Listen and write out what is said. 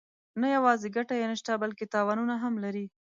نه یوازې ګټه یې نشته بلکې تاوانونه هم لري.